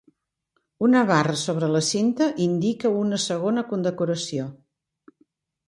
Una barra sobre la cinta indica una segona condecoració.